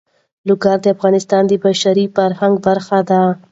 لوگر د افغانستان د بشري فرهنګ برخه ده.